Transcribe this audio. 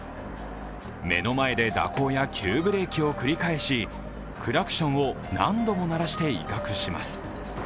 目の前で蛇行や急ブレーキを繰り返しクラクションを何度も鳴らして威嚇します。